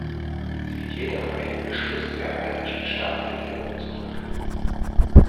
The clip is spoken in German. Sie geht auf einen Beschluss der bayerischen Staatsregierung zurück.